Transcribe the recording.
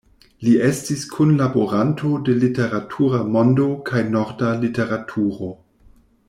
Li estis kunlaboranto de "Literatura Mondo" kaj "Norda Literaturo.